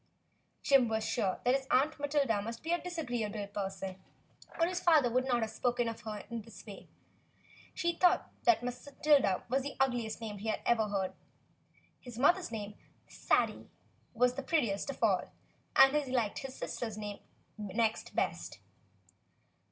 Jim was sure that his Aunt Matilda must be a dis agreeable person, or his father would not have spoken of her in this way. He thought Matilda was the ug liest name he had ever heard. His mother's name, Sadie, was the prettiest of all, and he liked his sister's name next best.